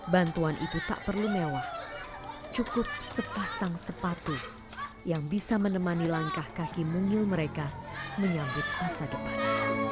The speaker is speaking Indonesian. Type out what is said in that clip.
bantuan itu tak perlu mewah cukup sepasang sepatu yang bisa menemani langkah kaki mungil mereka menyambut masa depan